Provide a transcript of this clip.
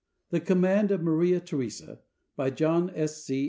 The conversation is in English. THE COMMAND OF MARIA THERESA BY JOHN S. C.